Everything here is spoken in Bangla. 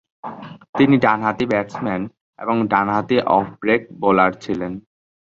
তিনি ডানহাতি ব্যাটসম্যান এবং ডানহাতি অফ ব্রেক বোলার ছিলেন।